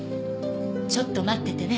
ちょっと待っててね。